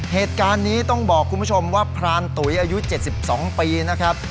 เหตุการณ์นี้ต้องบอกคุณผู้ชมว่าพรานตุ๋ยอายุ๗๒ปีนะครับ